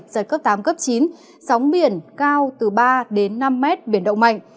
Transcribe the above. giật cấp tám chín sóng biển cao từ ba năm m biển đông mạnh